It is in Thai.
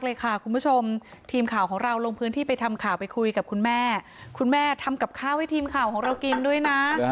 คุณผู้ชมทีมข่าวของเราลงพื้นที่ไปทำข่าวไปคุยกับคุณแม่คุณแม่ทำกับข้าวให้ทีมข่าวของเรากินด้วยนะ